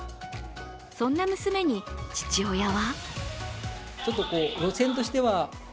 そんな娘に父親は？